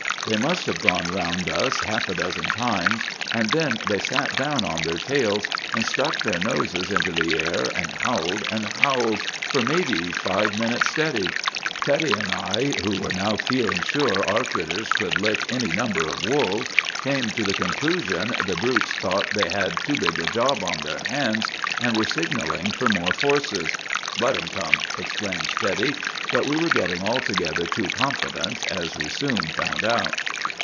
They must have gone round us half a dozen times, and then they sat down on their tails, and stuck their noses into the air, and howled and howled for maybe five minutes steady. Teddy and I, who were now feeling sure our 'critters' could lick any number of wolves, came to the conclusion the brutes thought they had too big a job on their hands and were signalling for more forces. 'Let 'em come,' exclaimed Teddy. But we were getting altogether too confident, as we soon found out.